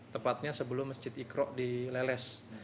tepatnya sebelum masjid ikrok di leles